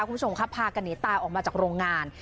คุณผู้ชมครับพากันหนีตายออกมาจากโรงงาน